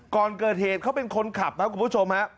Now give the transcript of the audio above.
ก่อนเกิดเหตุเขาเป็นคนขับครับคุณผู้ชมฮะ